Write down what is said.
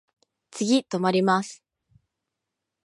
次止まります。